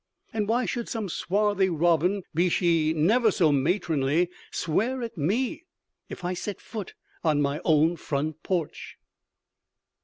And why should some swarthy robin, be she never so matronly, swear at me if I set foot on my own front porch?